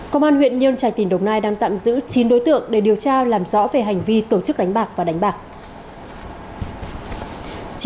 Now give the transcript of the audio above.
công an huyện nhân trạch tỉnh đồng nai đang tạm giữ chín đối tượng để điều tra làm rõ về hành vi tổ chức đánh bạc và đánh bạc